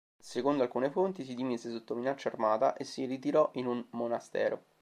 Secondo alcune fonti, si dimise sotto minaccia armata, e si ritirò in un monastero..